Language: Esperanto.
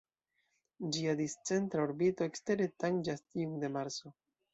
Ĝia discentra orbito ekstere tanĝas tiun de Marso.